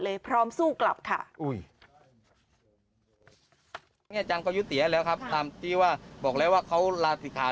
เราทำเพื่อปกป้องพัฒนาแค่ภาตุบิทีโอซิ่ง